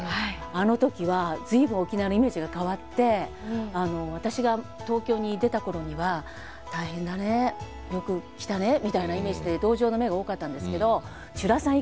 あの時は随分沖縄のイメージが変わって私が東京に出た頃には「大変だね。よく来たね」みたいなイメージで同情の目が多かったんですけど「ちゅらさん」